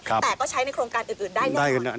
แต่ก็ใช้ในโครงการอื่นได้แน่นอน